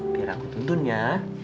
biar aku tuntun ya